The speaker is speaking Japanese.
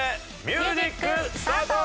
ミュージックスタート！